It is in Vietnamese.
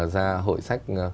ra hội sách